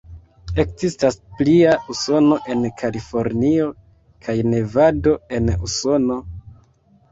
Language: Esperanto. Ekzistas plia Usono en Kalifornio kaj Nevado, en Usono.